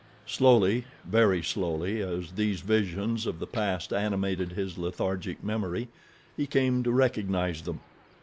Slowly, very slowly, as these visions of the past animated his lethargic memory, he came to recognize them.